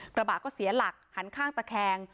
กระบะก็เสียหลักหันข้างตะแคง